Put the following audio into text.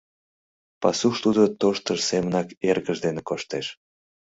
Пасуш тудо тоштыж семынак эргыж дене коштеш.